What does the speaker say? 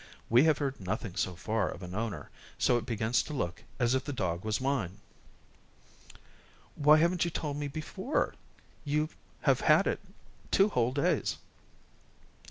We have heard nothing so far of an owner, so it begins to look as if the dog was mine." "Why haven't you told me before? You have had it two whole days."